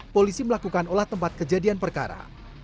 polisi melakukan olah tempat kejadian perkara